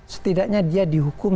setidaknya dia dihukum